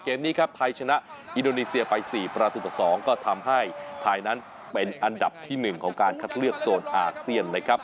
เกมนี้ครับไทยชนะอินโดนีเซียไป๔ประตูต่อ๒ก็ทำให้ไทยนั้นเป็นอันดับที่๑ของการคัดเลือกโซนอาเซียนนะครับ